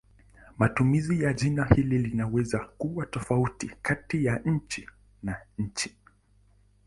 Matumizi ya jina hili linaweza kuwa tofauti kati ya nchi na nchi.